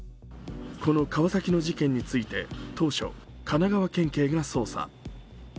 この川崎の事件について当初、神奈川県警が捜査。